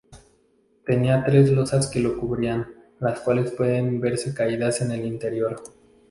Tenía tres losas que lo cubrían, las cuales pueden verse caídas en el interior.